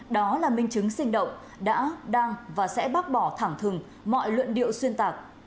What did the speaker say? đó là minh chứng sinh động đã đang và sẽ bác bỏ thẳng thừng mọi luận điệu xuyên tạc